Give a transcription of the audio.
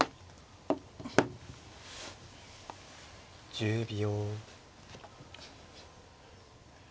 １０秒。